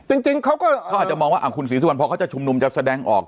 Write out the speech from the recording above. จริงจริงเขาก็เขาอาจจะมองว่าอ่ะคุณศรีสุวรรณพอเขาจะชมนุมจะแสดงออก